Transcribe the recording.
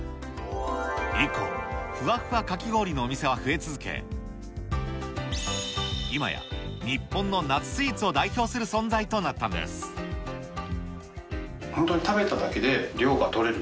以降、ふわふわかき氷のお店は増え続け、今や、日本の夏スイーツを代表する存在となったんで本当に食べただけで、涼がとれる。